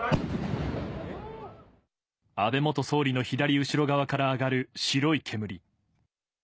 安倍元総理の左後ろ側から上がる白い煙。